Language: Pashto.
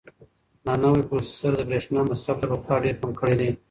دا نوی پروسیسر د برېښنا مصرف تر پخوا ډېر کم کړی دی.